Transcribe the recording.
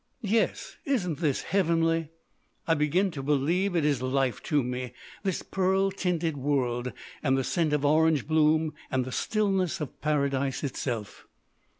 "Yes. Isn't this heavenly? I begin to believe it is life to me, this pearl tinted world, and the scent of orange bloom and the stillness of paradise itself."